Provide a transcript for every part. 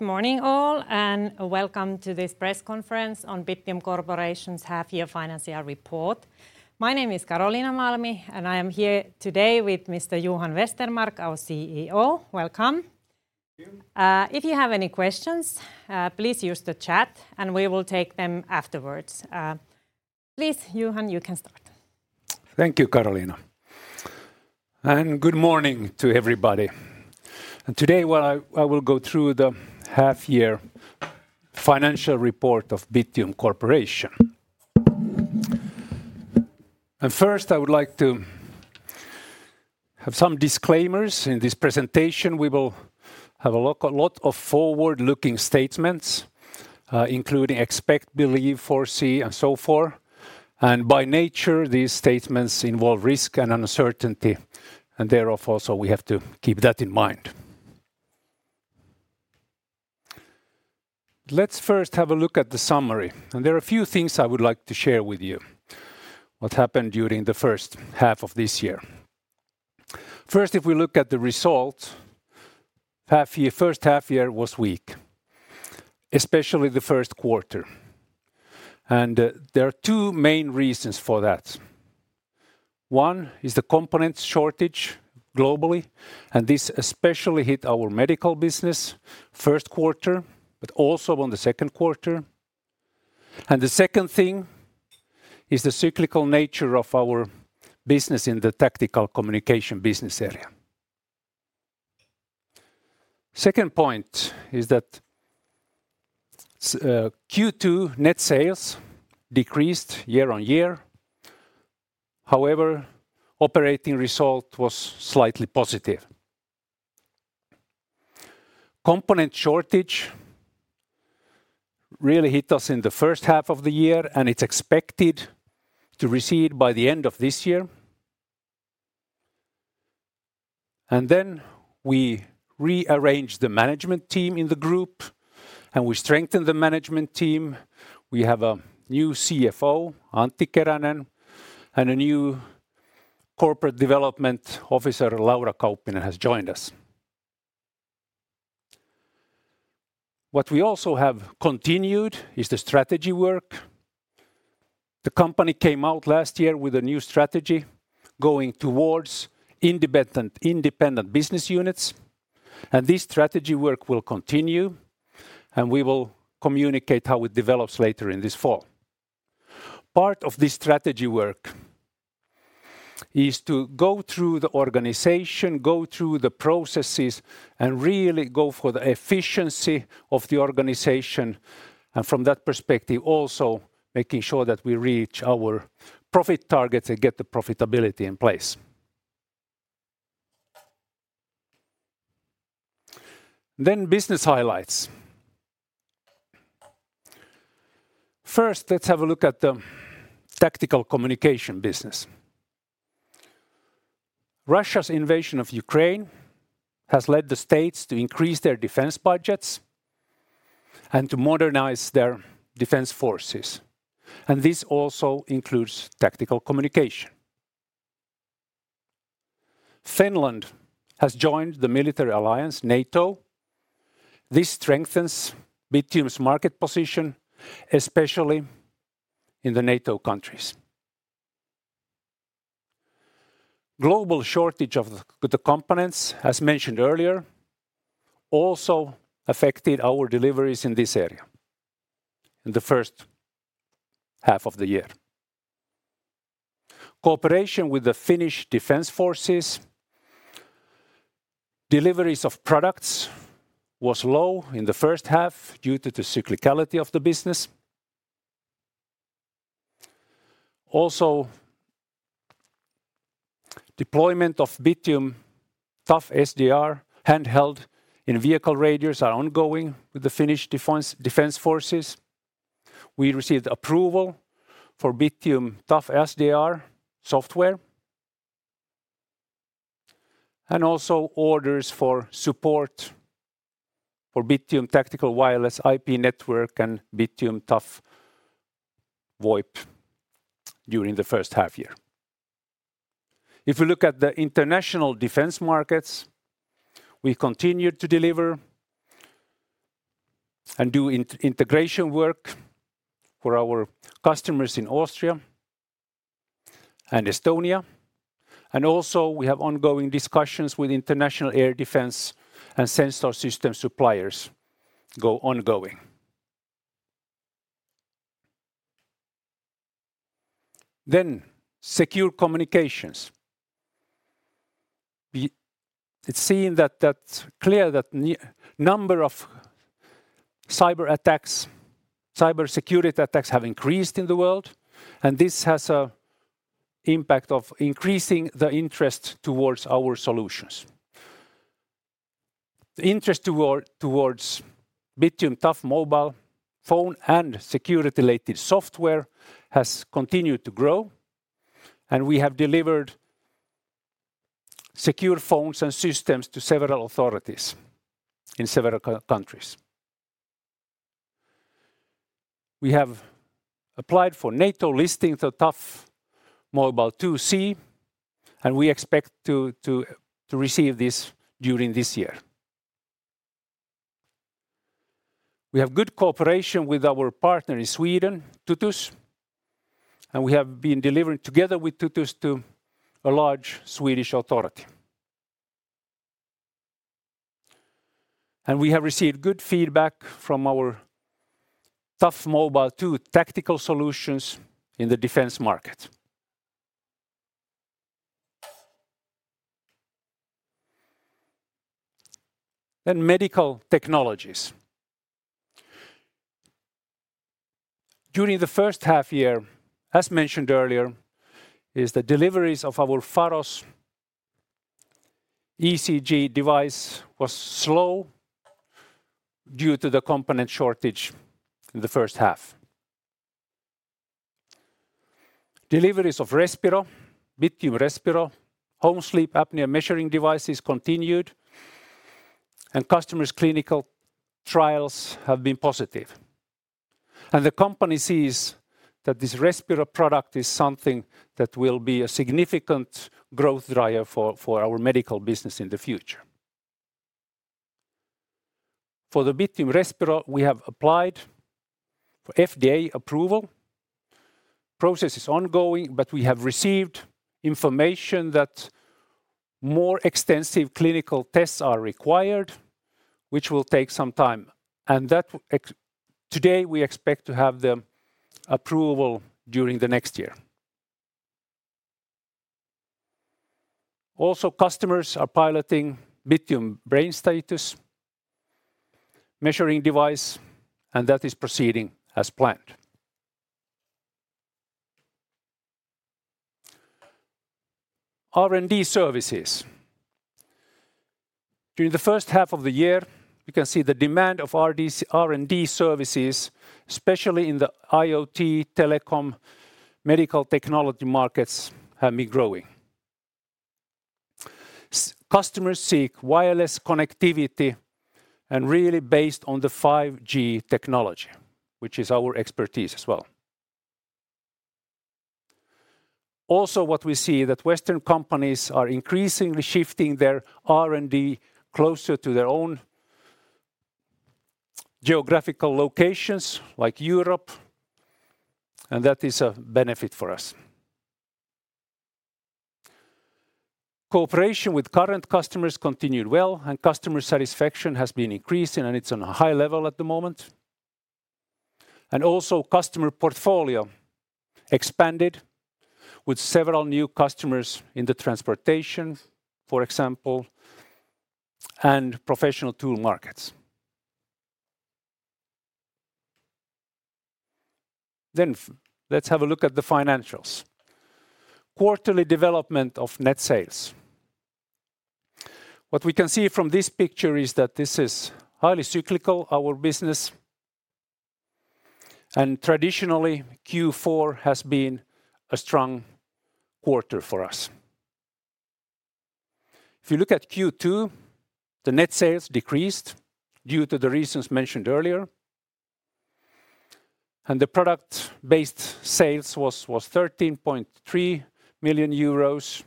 Good morning, all, and welcome to this press conference on Bittium Corporation's half-year financial report. My name is Karoliina Malmi, and I am here today with Mr. Johan Westermarck, our CEO. Welcome. Thank you. If you have any questions, please use the chat, and we will take them afterwards. Please, Johan, you can start. Thank you, Karoliina. Good morning to everybody. Today, well, I will go through the half-year financial report of Bittium Corporation. First, I would like to have some disclaimers. In this presentation, we will have a lot of forward-looking statements, including expect, believe, foresee, and so forth. By nature, these statements involve risk and uncertainty, and therefore, so we have to keep that in mind. Let's first have a look at the summary. There are a few things I would like to share with you, what happened during the first half of this year. First, if we look at the results, first half year was weak, especially the first quarter. There are two main reasons for that. One is the component shortage globally. This especially hit our medical business first quarter, but also on the second quarter. The second thing is the cyclical nature of our business in the tactical communication business area. Second point is that Q2 net sales decreased year-on-year. However, operating result was slightly positive. Component shortage really hit us in the first half of the year, and it's expected to recede by the end of this year. We rearranged the management team in the group, and we strengthened the management team. We have a new CFO, Antti Keränen, and a new Corporate Development Officer, Laura Kauppinen, has joined us. What we also have continued is the strategy work. The company came out last year with a new strategy going towards independent, independent business units, and this strategy work will continue, and we will communicate how it develops later in this fall. Part of this strategy work is to go through the organization, go through the processes, and really go for the efficiency of the organization, and from that perspective, also making sure that we reach our profit targets and get the profitability in place. Business highlights. First, let's have a look at the tactical communication business. Russia's invasion of Ukraine has led the states to increase their defense budgets and to modernize their defense forces, and this also includes tactical communication. Finland has joined the military alliance, NATO. This strengthens Bittium's market position, especially in the NATO countries. Global shortage of the, the components, as mentioned earlier, also affected our deliveries in this area in the first half of the year. Cooperation with the Finnish Defence Forces, deliveries of products was low in the first half due to the cyclicality of the business. Deployment of Bittium Tough SDR handheld in vehicle radios are ongoing with the Finnish Defence Forces. We received approval for Bittium Tough SDR software, and also orders for support for Bittium Tactical Wireless IP Network and Bittium Tough VoIP during the first half-year. If you look at the international defense markets, we continued to deliver and do integration work for our customers in Austria and Estonia, and also, we have ongoing discussions with international air defense and sensor system suppliers go ongoing. Secure communications. It's seen that, that's clear that number of cyberattacks, cybersecurity attacks have increased in the world, and this has a impact of increasing the interest towards our solutions. The interest towards Bittium Tough Mobile phone and security-related software has continued to grow, and we have delivered secure phones and systems to several authorities in several countries.... We have applied for NATO listing the Tough Mobile 2 C, we expect to receive this during this year. We have good cooperation with our partner in Sweden, Tutus, we have been delivering together with Tutus to a large Swedish authority. We have received good feedback from our Tough Mobile 2 tactical solutions in the defense market. Medical technologies. During the first half year, as mentioned earlier, is the deliveries of our Faros ECG device was slow due to the component shortage in the first half. Deliveries of Respiro, Bittium Respiro, home sleep apnea measuring devices continued, customers' clinical trials have been positive. The company sees that this Respiro product is something that will be a significant growth driver for our medical business in the future. For the Bittium Respiro, we have applied for FDA approval. Process is ongoing, but we have received information that more extensive clinical tests are required, which will take some time. Today, we expect to have the approval during the next year. Also, customers are piloting Bittium BrainStatus measuring device, and that is proceeding as planned. R&D services. During the first half of the year, you can see the demand of R&D services, especially in the IoT, telecom, medical technology markets, have been growing. Customers seek wireless connectivity and really based on the 5G technology, which is our expertise as well. Also, what we see that Western companies are increasingly shifting their R&D closer to their own geographical locations, like Europe, and that is a benefit for us. Cooperation with current customers continued well, and customer satisfaction has been increasing, and it's on a high level at the moment. Also customer portfolio expanded with several new customers in the transportation, for example, and professional tool markets. Let's have a look at the financials. Quarterly development of net sales. What we can see from this picture is that this is highly cyclical, our business, and traditionally, Q4 has been a strong quarter for us. If you look at Q2, the net sales decreased due to the reasons mentioned earlier, and the product-based sales was, was 13.3 million euros,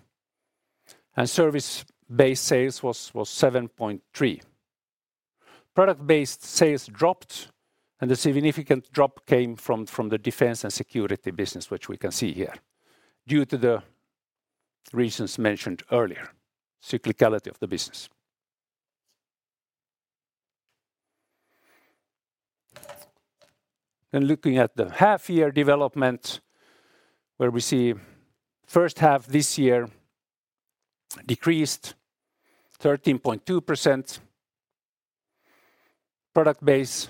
and service-based sales was, was 7.3 million. Product-based sales dropped, and the significant drop came from, from the defense and security business, which we can see here, due to the reasons mentioned earlier, cyclicality of the business. Looking at the half year development, where we see first half this year decreased 13.2%. Product base,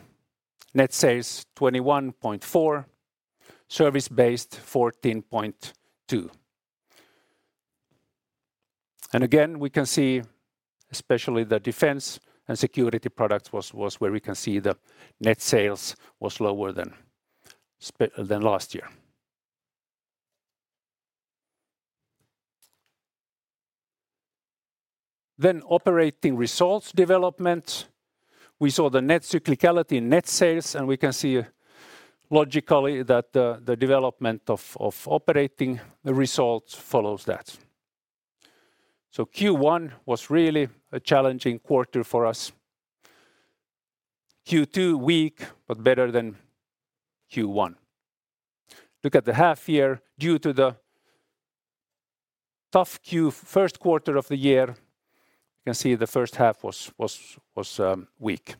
net sales 21.4 million, service-based 14.2 million. Again, we can see especially the defense and security product was where we can see the net sales was lower than last year. Operating results development. We saw the net cyclicality in net sales, and we can see logically that the development of operating the results follows that. Q1 was really a challenging quarter for us. Q2, weak, but better than Q1. Look at the half year, due to the tough Q first quarter of the year, you can see the first half was weak.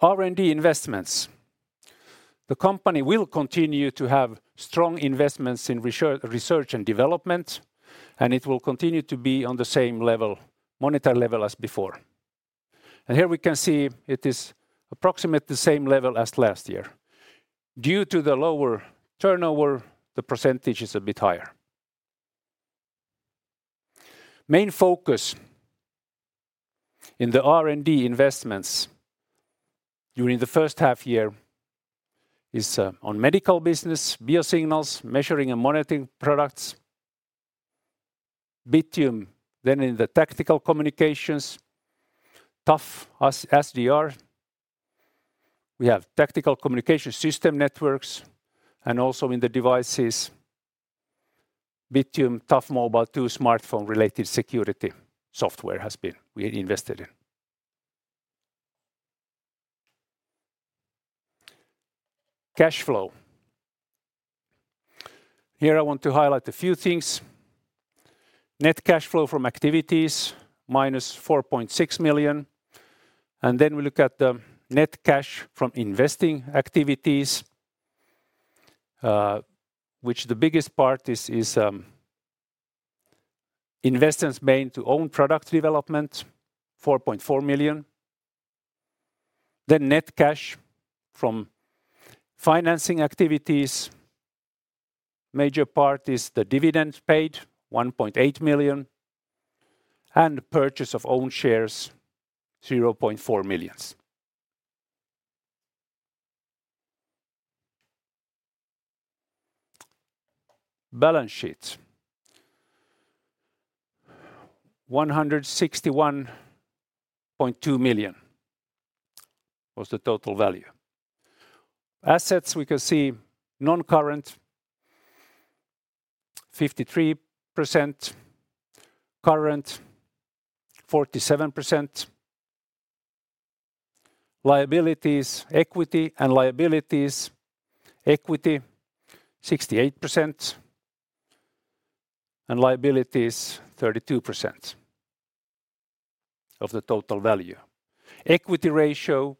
R&D investments. The company will continue to have strong investments in research and development, and it will continue to be on the same level, monetary level as before. Here we can see it is approximately the same level as last year. Due to the lower turnover, the percentage is a bit higher. Main focus in the R&D investments during the first half year is on medical business, biosignals, measuring and monitoring products. Bittium, then in the tactical communications, Tough SDR. We have tactical communication system networks, and also in the devices, Bittium Tough Mobile 2 smartphone-related security software has been invested in. Cash flow. Here I want to highlight a few things. Net cash flow from activities, -4.6 million, and then we look at the net cash from investing activities, which the biggest part is investments made to own product development, 4.4 million. Net cash from financing activities, major part is the dividend paid, 1.8 million, and purchase of own shares, 0.4 million. Balance sheet. 161.2 million was the total value. Assets, we can see non-current, 53%, current, 47%. Liabilities, equity and liabilities, equity, 68%, and liabilities, 32% of the total value. Equity ratio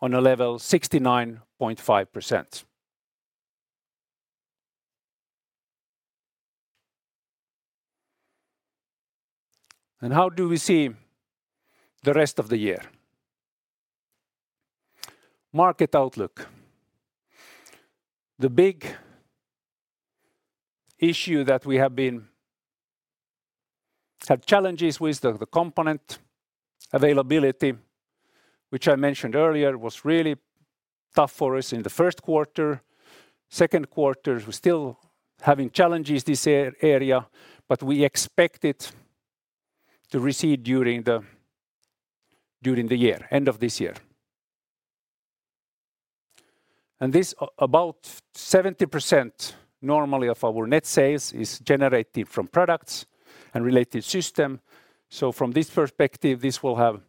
on a level 69.5%. How do we see the rest of the year? Market outlook. The big issue that we have challenges with the component availability, which I mentioned earlier, was really tough for us in the 1st quarter. 2nd quarter, we're still having challenges this area, but we expect it to recede during the, during the year, end of this year. This about 70% normally of our net sales is generated from products and related system. So from this perspective, this will have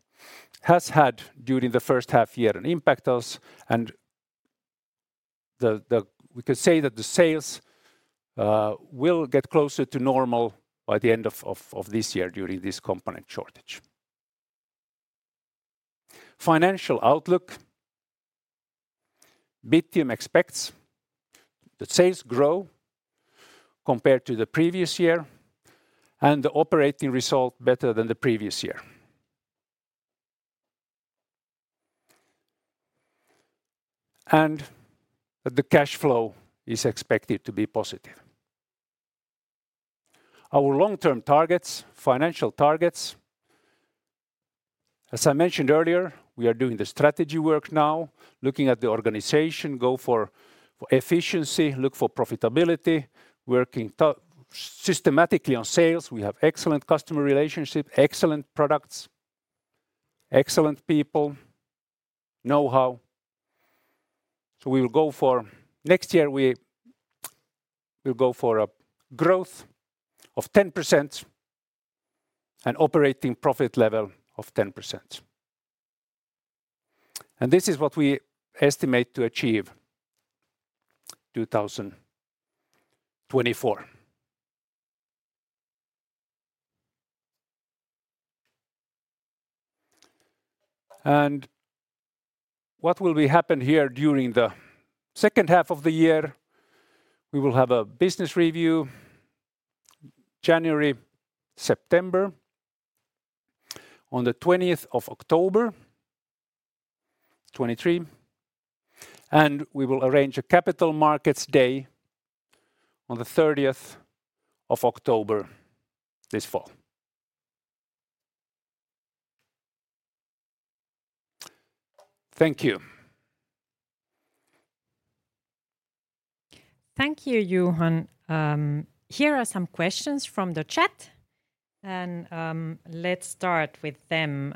has had, during the 1st half year, an impact on us, and the we can say that the sales will get closer to normal by the end of this year during this component shortage. Financial outlook, Bittium expects the sales grow compared to the previous year, the operating result better than the previous year. The cash flow is expected to be positive. Our long-term targets, financial targets, as I mentioned earlier, we are doing the strategy work now, looking at the organization, go for, for efficiency, look for profitability, working systematically on sales. We have excellent customer relationship, excellent products, excellent people, know-how. We will go for Next year, we will go for a growth of 10% and operating profit level of 10%. This is what we estimate to achieve 2024. What will be happen here during the second half of the year? We will have a business review, January, September, on the 20th of October, 2023, and we will arrange a Capital Markets Day on the 30th of October this fall. Thank you. Thank you, Johan. Here are some questions from the chat, and, let's start with them.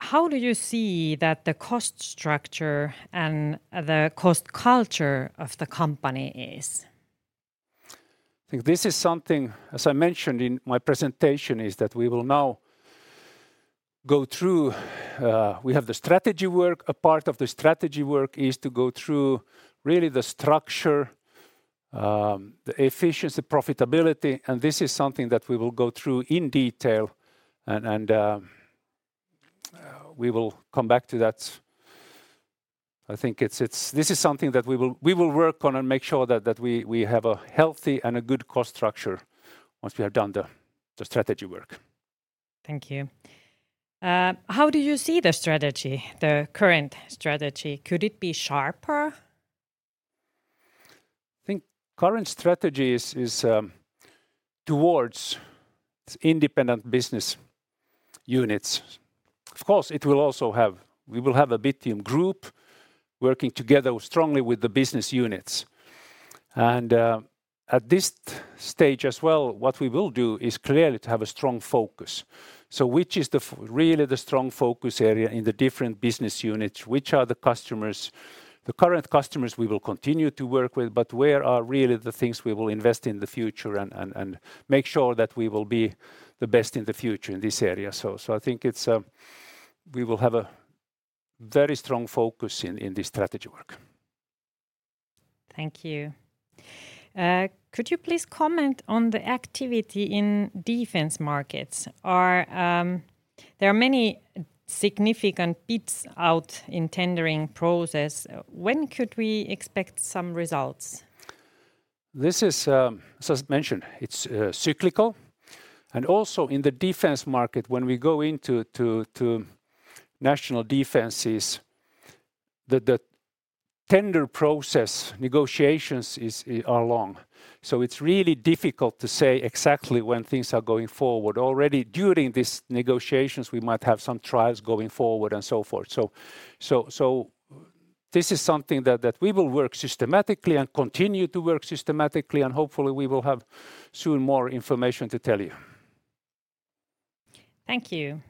How do you see that the cost structure and the cost culture of the company is? I think this is something, as I mentioned in my presentation, is that we will now go through, we have the strategy work. A part of the strategy work is to go through really the structure, the efficiency, profitability, and this is something that we will go through in detail, and, and, we will come back to that. I think it's, it's-- this is something that we will, we will work on and make sure that, that we, we have a healthy and a good cost structure once we have done the, the strategy work. Thank you. How do you see the strategy, the current strategy? Could it be sharper? I think current strategy is towards independent business units. Of course, it will also have, we will have a Bittium group working together strongly with the business units. At this stage as well, what we will do is clearly to have a strong focus. Which is really the strong focus area in the different business units? Which are the customers? The current customers we will continue to work with, but where are really the things we will invest in the future and make sure that we will be the best in the future in this area? I think it's, we will have a very strong focus in this strategy work. Thank you. Could you please comment on the activity in defense markets? There are many significant bids out in tendering process. When could we expect some results? This is, as I mentioned, it's cyclical, and also in the defense market, when we go into national defenses, the, the tender process negotiations is, are long. It's really difficult to say exactly when things are going forward. Already during these negotiations, we might have some trials going forward, and so forth. This is something that, that we will work systematically and continue to work systematically, and hopefully we will have soon more information to tell you. Thank you.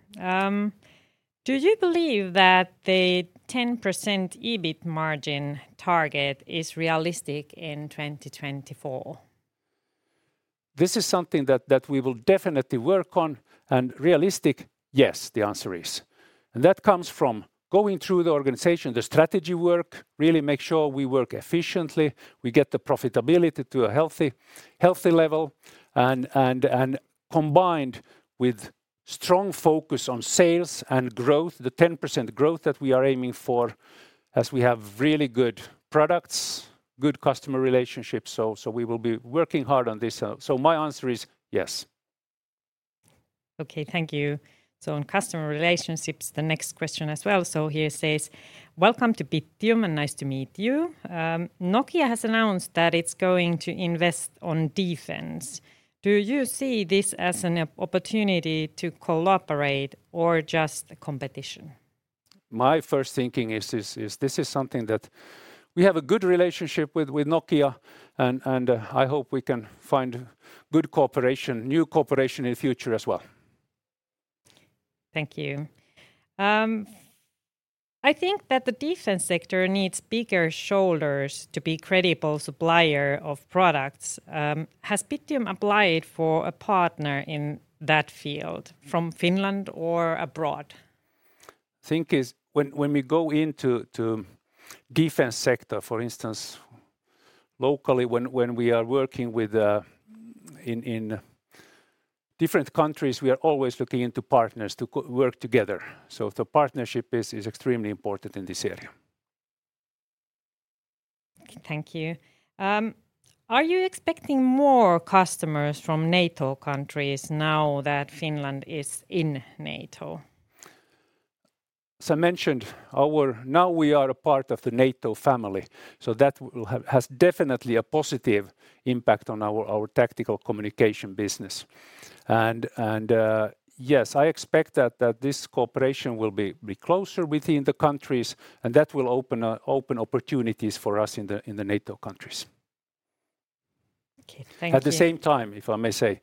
Do you believe that the 10% EBIT margin target is realistic in 2024? This is something that, that we will definitely work on, realistic, yes, the answer is. That comes from going through the organization, the strategy work, really make sure we work efficiently, we get the profitability to a healthy, healthy level, and, and, and combined with strong focus on sales and growth, the 10% growth that we are aiming for, as we have really good products, good customer relationships. We will be working hard on this. My answer is yes. Okay, thank you. On customer relationships, the next question as well. Here says, "Welcome to Bittium, and nice to meet you. Nokia has announced that it's going to invest on defense. Do you see this as an opportunity to collaborate or just a competition? My first thinking is this is something that we have a good relationship with, with Nokia, and I hope we can find good cooperation, new cooperation in the future as well. Thank you. I think that the defense sector needs bigger shoulders to be credible supplier of products. Has Bittium applied for a partner in that field, from Finland or abroad? Think is when, when we go into to defense sector, for instance, locally, when, when we are working with, in, in different countries, we are always looking into partners to co- work together. The partnership is, is extremely important in this area. Thank you. Are you expecting more customers from NATO countries now that Finland is in NATO? As I mentioned, our Now we are a part of the NATO family, so that has definitely a positive impact on our tactical communication business. Yes, I expect that this cooperation will be closer within the countries, and that will open opportunities for us in the NATO countries. Okay, thank you. At the same time, if I may say,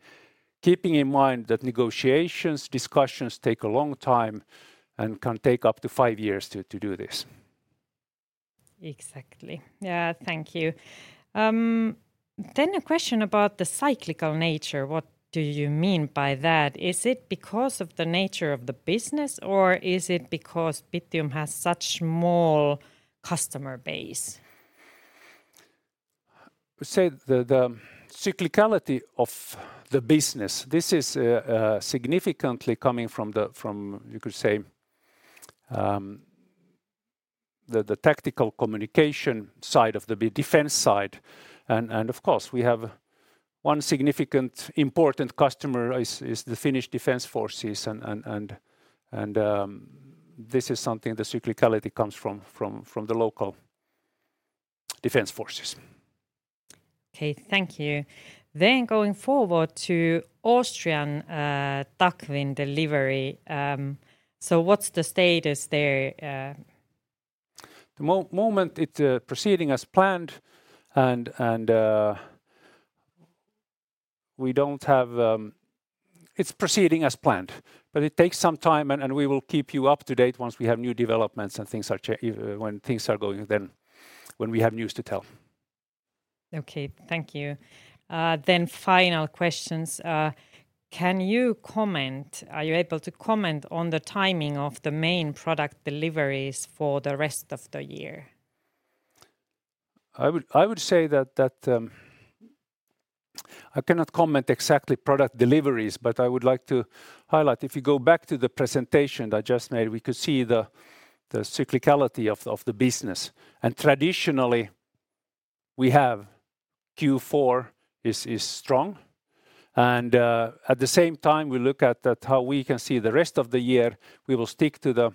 keeping in mind that negotiations, discussions take a long time and can take up to five years to, to do this. Exactly. Yeah. Thank you. A question about the cyclical nature. What do you mean by that? Is it because of the nature of the business, or is it because Bittium has such small customer base? Say, the, the cyclicality of the business, this is significantly coming from the, from, you could say, the, the tactical communication side of the b- defense side. Of course, we have one significant important customer is, is the Finnish Defence Forces, and, and, and, and this is something the cyclicality comes from, from, from the local defense forces. Okay, thank you. Going forward to Austrian TAC WIN delivery, so what's the status there? The moment, it's proceeding as planned, and, and we don't have. It's proceeding as planned, but it takes some time, and, and we will keep you up to date once we have new developments and things are when things are going, then when we have news to tell. Okay, thank you. Final questions. Can you comment, are you able to comment on the timing of the main product deliveries for the rest of the year? I would, I would say that, that, I cannot comment exactly product deliveries, but I would like to highlight, if you go back to the presentation I just made, we could see the, the cyclicality of the, of the business. Traditionally, we have Q4 is, is strong, at the same time, we look at, at how we can see the rest of the year. We will stick to the,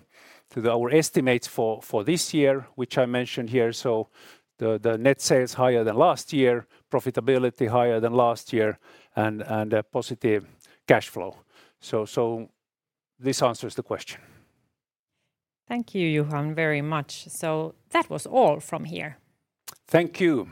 to our estimates for, for this year, which I mentioned here. The, the net sales higher than last year, profitability higher than last year, and, and a positive cash flow. This answers the question. Thank you, Johan, very much. That was all from here. Thank you!